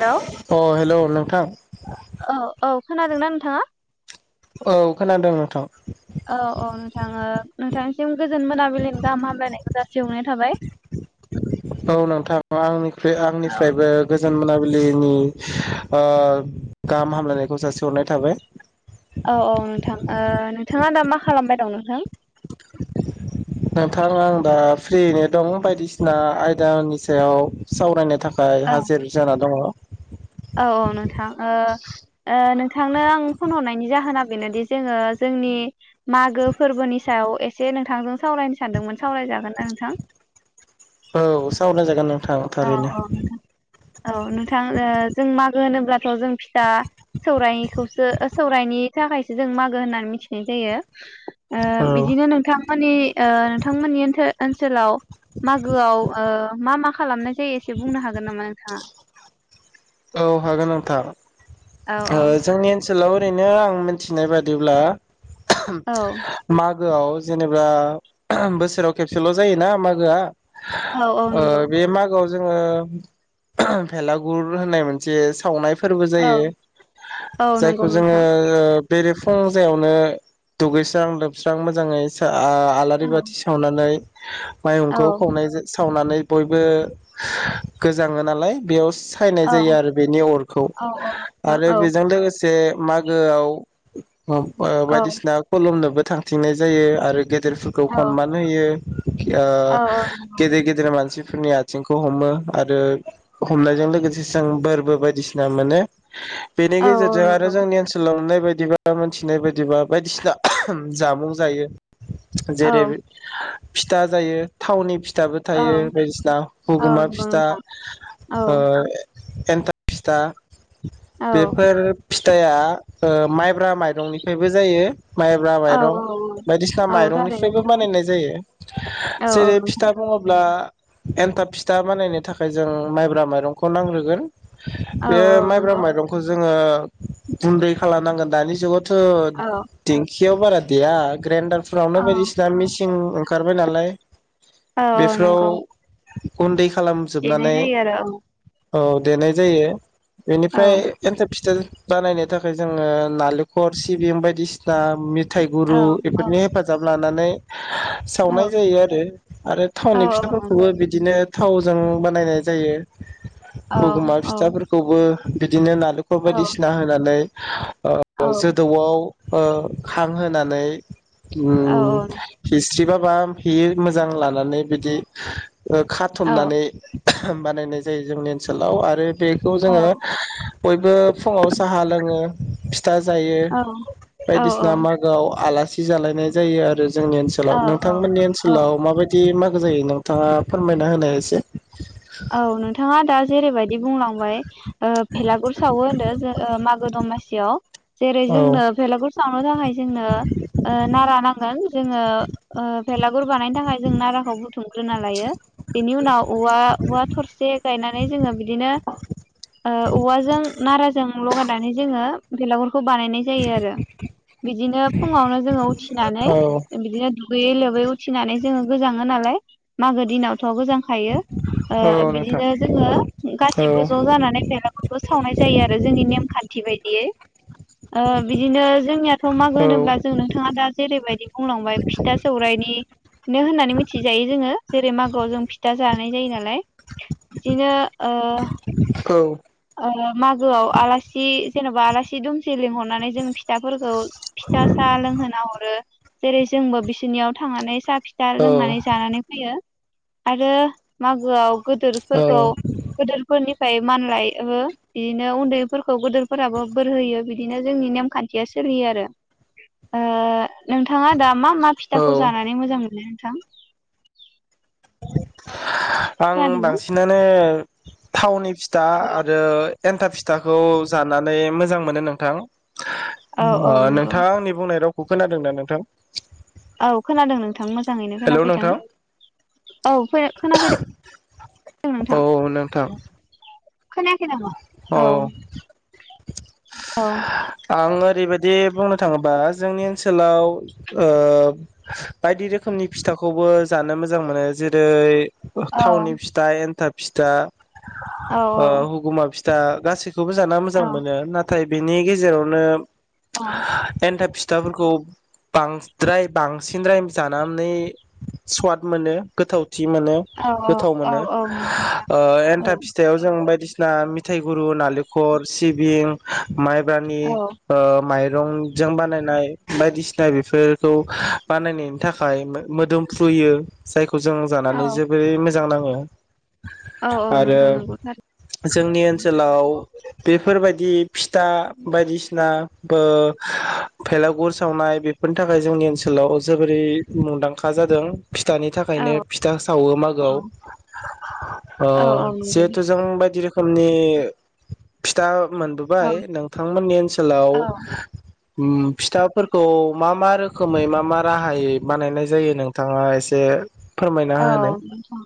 Hello अ hello नोंथां औ औ खोनादोंना नोंथाङा औ खोनादों नोंथां औ औ नोंथां ओ नोंथांनिसिम गोजोन मोनाबिलिनि गाहाम हामलायनायखौ जासिहरनाय थाबाय औ नोंथां आंनि औ आंनिफ्रायबो गोजान मोनाबिलिनि ओ गाहाम हामलायनायखौ जासिहरनाय थाबाय औ औ नोंथां ओ नोंथाङा दा मा खालामबाय दं नोंथां [unintelligible] नोंथां आं दा फ्रिनो दं बायदिसिना आयदानि सायाव सावरायनो थाखाय हाजिर जाना दङ औ औ नोंथां ओ ओ नोंथांनो आं फन हरनायनि जाहोना बेनोदि जोङो जोंनि मागो फोरबोनि सायाव एसे नोंथांजों सावरायनो सानदोंमोन सावरायजागोनना नोंथां औ सावराय जायगोन। औ औ नोंथां औ नोंथां ओ जों मागो होनोब्ला गौ जों फिथा सौरायनिखौसो ओ सौरायनि थाखायसो जों मागो होननानै मिथिनाय जायो। ओ औ बिदिनो नोंथांमोननि ओ नोंथांमोननि ओनसोल ओनसोलाव मागोआव ओ मा मा खालामनाय एसे एसे बुंनो हागोन नामा नोंथाङा औ हागोन नोंथां औ ओ जोंनि ओनसोलाव ओरैनो आं मिथिनाय बादिब्ला औ माग मागोआव जेनेबा बोसोराव खेबसेल जायोना मागोआ औ औ ओ नंगौ बे मागोआव जोङो भेलागुर होननाय मोनसे सावनाय फोरबो औ जायो औ नंगौ जायखौ जोङो नोंथां बेरे फुं जायावनो दुगैस्रां लोबस्रां मोजाङै सा आ औ आलारि बाथि सावनानै औ माइहुंखौ खावनाय सावनानै बयबो गोजाङो नालाय बेयाव सायनाय औ जायो आरो बेनि अरखौ औ नोंथां आरो बेजों लोगोसे मागोआव अ औ बायदिसिना खलमनोबो थांथिंनाय जायो आरो गे देरफोरखौ औ खनमान होयो। ओ औ गेदेर गेदेर मानसि फोरनि आथिंखौ हमो आरो हमनायजों लोगोसे जेसां बोरबो बायदिसिना मोनो। बेनि औ गेजेरजों आरो नंगौ जोंनि ओनसोलाव नुनाय बायदिबा मोनथिनाय बायदिबा बायदिसिना जामुं जायो। औ नंगौ औ जेरै फिथा जायो थावनि फि थाबो औ थायो बायदिसिना औ हुगुमा नंगौ फिथा नोंथां औ ओ एनथाब फिथा औ बेफोर फिथाया माइब्रा माइरंनिफ्रायबो जायो। माइब्रा औ माइरं बायदिसिना औ माइरंनिफ्रायबो थारैनो बानायनाय जायो औ औ जेरै नोंथां फिथा बुङोब्ला एन्थाब फिथा बानायनो थाखाय जों माइब्रा माइरंखौ नांग्रो गोन औ बे औ माइब्रा नंगौ माइरंखौ जों जोङो गुन्दै खालामनांगोन दानि जुगाव थ औ औ दिंखि आव बारा देया ग्राइन्दार फ्रावनो बायदिसिना मिसिं ओंखार बाय नालाय औ औ बेफोराव नंगौ गुन्दै देनाय खालामजोबनानै जायो आरो औ देनाय जायो। औ बेनिफ्राय औ एन्थाब फिथा बानायनो थाखाय जोङो नालेंखर सिबिं बायदिसिना मि औ थाइगुरु औ एफोरनि हेफाजाब लानानै औ सावनाय जायो आरो आरो औ थावनि फिथाफोरखौबो बिदिनो थावजों बानायनाय जायो। औ हुगोमा फिथाफोरखौबो बिदिनो नार बेखौ औ बायदिसिना होनानै [inaudible] ओ औ जोदौआव ओ खां होनानै औ उम खिस सिबाबा फेयो मोजां लानानै बिदि ओ खाथुमनानै बानायनाय जा जायो जोंनि ओनसोलाव आरो बेखौ औ जोङो बयबो फुङाव साहा लोङो फथा जायो बायदिसिना मागोआव आलास जि जालायनाय जायो आरो जोंनि ओनसोलाव नोंथांमोननि औ ओनसोलाव माबायदि मान जायो नोंथाङा फोरमायना होनाय एसे औ नोंथाङा दा जेरैबायदि बुंलांबाय ओ भेलागुर सावो होनदो जो ओ मागो दंमास [unintelligible] जेरै औ जोंनो भेलागुर सावनो थाखाय जोंनो ओ नारा नांगोन जोङो ओ बेेरलागुर बानायनो थाखाय जों नाराखौ बुथुमग्रोना लायो बेनि उनाव औवा औवा थरसे गायनानै जोङो बिदिनो ओ औवाजों नाराजों लगायनानै जोङो बेलागुर खौ बानायनाय जायो आरो बिदिनो फुङावनो जोङो उथिनानै औ बिदिनो दुगैयै लोबै उथिनानै जोङो गोजाङो नालाय मागो दिनाव थ' गोजांखायो। ओ औ नोंथां बिदिनो जोङो औ गासैबो ज' जानानै बेलागुरफोरखौ सावनाय जायो आरो जोंनि नेमखान्थि बायदि। ए। ओ बिदिनो जोंनियाथ मागो औ होनोब्ला जों नोंथाङा दा जेरैबायदि बुंलांबाय फिथा सौरायाइनि नो होननानै मिथिजायो जोङो जेरै मागोआव जों फिथा जानाय जायो ना लाय बिदिनो ओ औ। ओ मागोआव आलासि जेनबा आलासि दुमसि लिंहरनानै जों फिथाफोरखौ फिथा साहा लोंहोना हरो जेरै जोंबो बिसोरनियाव थांनानै सा फिथा औ लोंनानै जानानै फैयो। आरो मागोआव गोदोरफोरखौ गोदोरफोरनि ओमफ्राय मानलायबो बिदिनो उन्दैफोरखौ गोदोरफोराबो बोर होयो बिदिनो जोंनि नेमखान्थिया सोलियो आरो ओ नोंथाङा दा मा मा औ फिथाखौ औ जानानै मोजां मोनो? थां। [inaudible] आं बांसिनानो थावनि फि फिथा औ आरो एन्थाब फिथाखौ जानानै मोजां मोनो नोंथां। औ औ ओ नंगौ नोंथाङा आंनि बुंनाय राव खौ खोनादोंना नोंथां? औ खोनादों नोंथां मो मोजाङैनो हेलौ खोनाफैदों नोंथां औ फै खोनाफैदों दों औ नोंथां। नोंथां खोनायाखै नामा? औ औ आं ओरैबायदि दि बुंनो थाङोबा जोंनि ओनसोलाव ओ बायदि रोखोमनि फिथाखौबो जानो मोजां मोनो जेरै औ थावनि फिथा एन्थाब फिथा औ औ। फिथा‌ गासै खौबो जाना मोजां औ मोनो नाथाय नाथाय बिनि गेजेरावनो एनथाब फिथा फिथाफोरखौ बांद्राय बांसिनद्राय जानानै सवाद मोनो गोथाव मोनो औ गोथाव औ मोनो औ नंगौ ओ औ एन्थाव फिथायाव जों बायदिसिना बिना मिथाय‌ गुरु नारेंखल सिबिं माइब्रानि औ ओ माइ माइरंजों बानायनाय बायदिसिना बेफोरखौ बानायनायनि थाखाय मोदोमफ्रुयो जाय जों औ जानानै जोबोरै मोजां नाङो औ औ आरो नोंथां नंगौथार जोंनि ओनसोलाव बेफोरबायदि फिथा बायदिसिना बेलागुर सावनाय बेफोरनि थाखाय जोंनि ओनसोलाव जोबोरै मुंदांखा जादों फिथानि औ थाखायनो फिथा सावो औ मागोआव [unintelligible] अ औ औ नंगौ जिहेथु जों बाय रोखोमनि फिथा औ मोनबोबाय नोंथांमोननि ओनसोलाव औ फिथाफोरखौ मा मा रोखोमै मा मा राहायै बानायनाय जायो नोंथाङा एसे फोरमायना औ होनाय नोंथां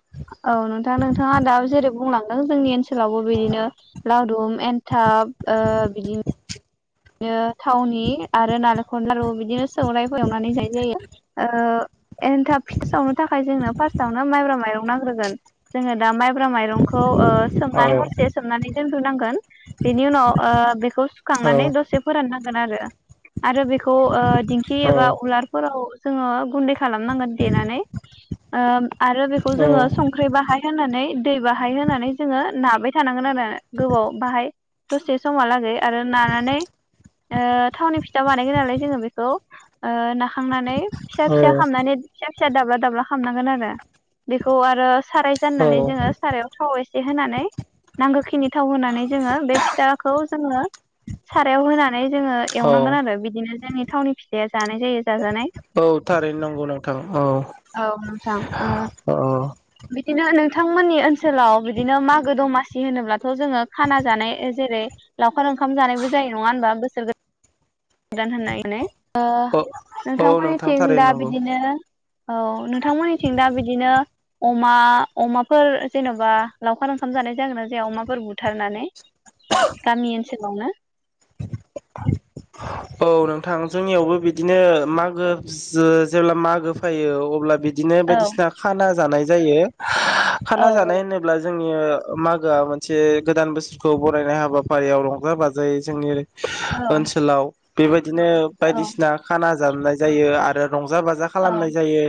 औ नोंथां नोंथाङा दा जेरै बुंलांदों जोंनि ओनसोलावबो बिदिनो लादुम एन्थाब ओ बिदिनो बेयो थावनि आरो नालेंखर लारु बिदिनो सौनायफोर एवनानै जाय जायो ओ एनथाब फिथा सावनो थाखाय जोंनो फार्स्टआवनो माइब्रा माइरं नांग्रोगोन जोङो दा माइब माइरंखौ ओ सोमनानै हरसे दोनग्रो नांगोन बेनि उनाव ओ बेखौ औ सुखांनानै दसे नांगोन आरो आरो बेखौ दिंखि औ एबा उलारफोराव जोङो गुन्दैखौ खालामनांगोन देनानै आरो बेखौ औ जोङो संख्रि बाहाय होनानै दै बाहाय होनानै जोङो नाबाय थानांगोन आरो गोबाव बाहाय दसे समाहालागै आरो नानानै ओ थावनि फिथा बानायगोन नालाय जोङो बेखौ ना खांनानै फिसा औ फिसा खामनानै फिसा दाब्ला दाब्ला खालामामनांगोन आरो बेखौ आरो साराय जाननानै जोङो सारायाव थाव एसे होनानै नांगौखिनि फिथाव होनानै जोङो बे फिथाखौ जोङो होननानै जोङो औ एवनांगोन आरो बिदिनो जोंनि थावनि फिथाआ जानाय जायो जाजानाय औ थारैनो नंगौ नोंथां औ औ नोंथां ओ औ बिदिनो नोंथांमोननिओन ओनसोलाव बिदिनो मागो दमासि दि होनोब्ला थ जोङो खानाय जेरै लावखार ओंखामबो जों आ होनबा बोसोर गो दान होननानै ओ औ औ नोंथां नोंथांमोननिथिं दा थारैनो नंगौ बिदिनो औ नोंथांमोननिथिं दा बिदिनो अमा अमाफोर जेनबा लावखार ओंखाम जानाय जागोन ना जाया अमाफोर बुथारनानै? गामि ओनस [unintelligible] [unintelligible] औ नोंथां जोंनियावबो बिदिनो मागो जो जेब्ला मागो फायो अब्ला बिदि बिदिनो औ बायदिसिना खाना जानाय जायो औ खाना जानाय होनोब्ला जों जोंनि मागोआ मोनसे गोदान बोसोरखौ बरायनाय हाबाफारियाव रंजा बाजायै जोंनि ओरै औ ओनसोलाव बेबाय बिदिनो बायदिसिना खाना जाबनाय जायो आरो रंजा बाजा औ खालामनाय जायो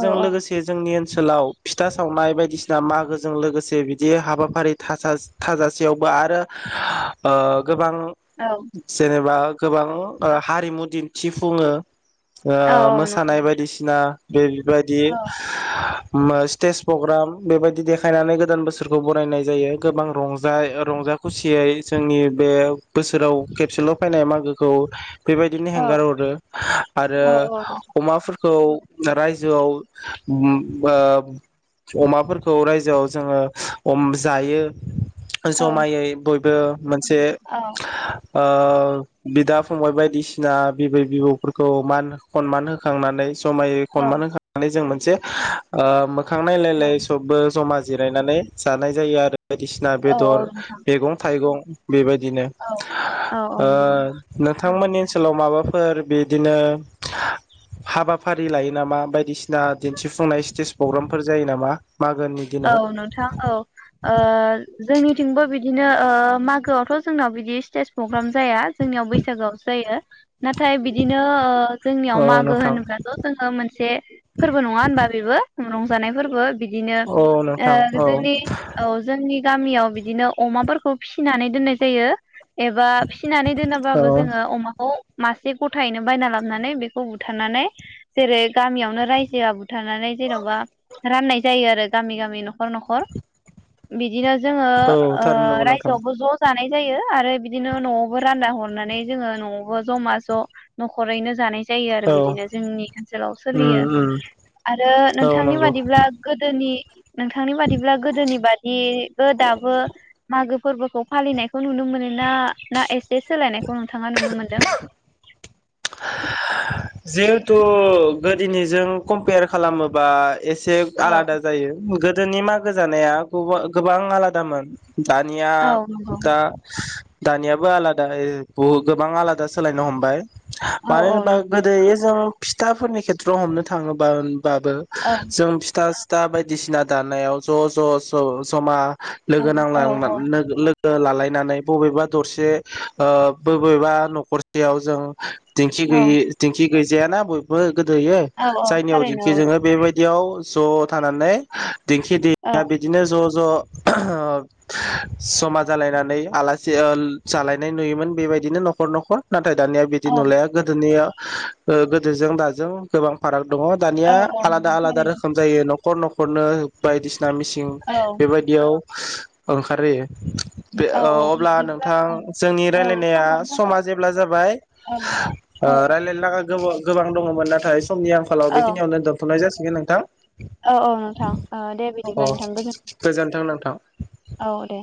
औ लोगोसे जोंनि ओन ओनसोलाव फिथा सावनाय बायदिसिना मागोजों लोगोसे बिदि हाबाफारि थाजास थाजासेयावबो आरो ओ गोबां औ जेनेबा गोबां ओ हारिमु दिन्थिफुङो ओ औ नंगौ मोसानाय बायदिसिना दे बायदि औ मा स्टेज पग्राम बेबायदि देखायनानै गोदान बोसोरखौ बरायनाय जायो गोबां रंजा रंजा खुसियै जोंनि बे बोसोराव खेबसेल फायनाय मागो [unintelligible] फोरबायदिनो औ हेंगार हरो आरो औ अमाफोर खौ रायजोआव ओम बो अमाफोरखौ रायजोआव जोङो अम जायो। जमायै बयबो। जे औ ओ बिदा फंबाय बायदिसिना बिबै बिबौफोरखौ मान खनमान होखांनानै औ [unintelligible] जो ओ खांनायलायलाय सबबो जमा जिरायनानै जानाय जायो आरो। बायदिसिना औ बेदर नोंथां मैगं थाइगं। बेबायदिनो औ औ औ ओ नंगौ नोंथांमोननि ओनसोलाव माबाफोर बिदिनो हाबाफारि लायो नामा बायदिसिना दिन्थिफुंनाय स्टेज प्रग्रामफोर जायो नामा? मागोनि दिनाव औ नोंथां औ ओह जोंनिथिंबो बिदिनो ओ मागोआवथ जोंनाव बिदि स्टेज प्रग्राम जाया जोंनियाव बैसागोआवसो जायो। नाथाय बिदिनो ओ जोंनियाव औ मागो नोंथां होनोब्लाथ जोङो मोनसे फोरबो नङा होनबा बेबो रंजानाय फोरबो बिदिनो। औ ओ नोंथां औ जोंनि औ जोंनि गामियाव बिदिनो अमाफोरखौ फिनानै दोननाय जायो। एबा फिनानै औ दोनाबाबो जोङो अमाखौ मासे गथायैनो बायना लाबोनानै बेखौ बुथारनानै जेरै गामियावनो रायजोआ बुथारनानै जेनबा राननाय जायो आरो। गामि गामि न नख नखर। बिदिनो जोङो औ ओ थारैनो नंगौ नोंथां रायजोआवबो ज जानाय जायो आरो बिदिनो न'आवबो रानना हरनानै जोङो न'आवबो जमा ज नख'रैनो जानाय जायो आरो औ बिदिनो जोंनि ओनसोलाव उम सोलियो उम आरो औ नोंथांनि नंगौ बादिब्ला गोदोनि नोंथांनि बादिब्ला गोदोनि बादिबो दाबो मागो फोरबोखौ फालिनायखौ नुनो मोनो ना ना ए जे सोलायनायखौ नोंथाङा नुनो मोनो [inaudible] जिहेथु गोदोनिजों कम्पेयार खालामोबा एसे औ आलादा जायो। [unintelligible] गोदोनि मागो जानाया गुबु गोबां आलादामोन। दानिया औ नंगौ दा दानियाबो आलादायै बुहु गोबां आलादा सोलायनो हमबाय, औ माने औ होनबा नंगौ गोदोयो जों फिथाफोरनि खेथ्रआव हमनो थाङोबा बाबो औ जों फिथा, दा बायदिसिना दानायाव ज ज ज जमा, औ लोगो नांलां औ औ आंना लो लोगो, लालायनानै बबेबा दरसे ओ बबेबा न'खरसेयाव जों, दिंखि औ गैयै दिंखि, गैजायाना बयबो, गोदोयो औ औ जायनियाव थारैनो जेखि औ जोङो बेबायदियाव, ज' थानानै दिंखि औ दैया बिदिनो ज ज, ओ समा जालायनानै आलासि ओ जालायनाय नुयोमोन बेबायदिनो न'खर न'खर नाथ थाय दानिया बिदि औ नुलाया, गोदोनिया ओ गोदोजों दाजों गोबां फाराग दङ दानिया औ औ आलादा नंगौ आलादा थारैनो रोखोम जायो न न'खर न'खरनो बायदिसि ना मिसिं औ बेबायदियाव, ओंखार रेयो, बे औ अ औ अब्ला बिदिब्ला नोंथां जोंनि औ रायलायनाया समाबो समा जाबाय जेब्ला जाबाय, औ ओ औ रायलायनो लागा गोब गोबां दङमोन नाथाय समनि आंखालाव औ बेखिनियावनो दोनथनाय जासि इहो नोंथां, औ औ नोंथां औ दे अ बिदिब्लाा नोंथां गोजोन्थों औ दे